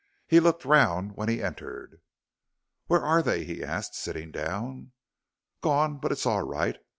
He looked round when he entered. "Where are they?" he asked, sitting down. "Gone; but it's all right.